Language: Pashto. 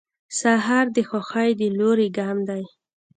سهار د خوښۍ د لوري ګام دی.